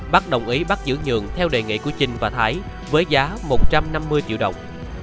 bắc đồng ý bắt giữ nhượng theo đề nghị của trinh và thái với giá một trăm năm mươi triệu đồng